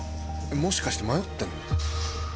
もしかして迷ってるの？